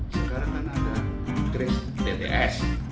sekarang kan ada kris tbs